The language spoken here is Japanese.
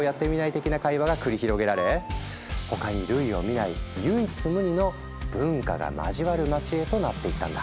的な会話が繰り広げられ他に類を見ない唯一無二の「文化が交わる街」へとなっていったんだ。